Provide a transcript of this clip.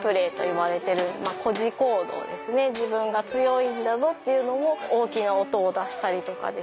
自分が強いんだぞっていうのを大きな音を出したりとかですね